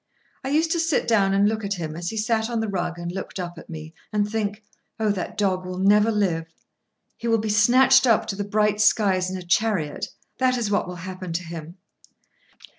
I used to sit down and look at him, as he sat on the rug and looked up at me, and think: "Oh, that dog will never live. He will be snatched up to the bright skies in a chariot, that is what will happen to him."